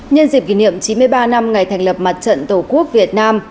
nhân dịp kỷ niệm chín mươi ba năm ngày thành lập mặt trận tổ quốc việt nam